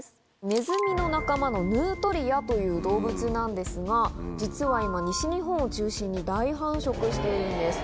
ネズミの仲間のヌートリアという動物なんですが、実は今、西日本を中心に大繁殖しているんです。